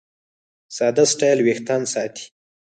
ساده سټایل وېښتيان ساتي.